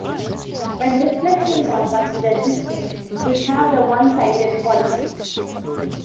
When reflections are considered distinct we have the "one-sided" polysticks.